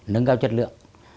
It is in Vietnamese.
nâng cao chất lượng